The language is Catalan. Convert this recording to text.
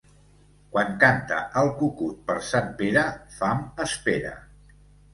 Quan canta el cucut per Sant Pere, fam espera.